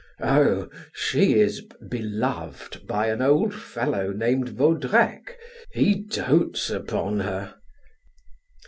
"Oh, she is beloved by an old fellow named Vaudrec he dotes upon her."